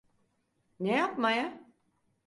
Ne yapmaya?